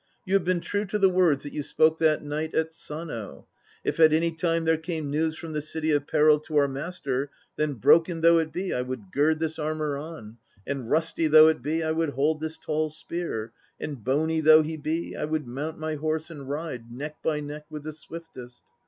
You have been true to the words that you spoke that night at Sano: "If at any time there came news from the City of peril to our master Then broken though it be, I would gird this armour on, And rusty though it be, I would hold this tall spear, And bony though he be, I would mount my horse and ride Neck by neck with the swiftest."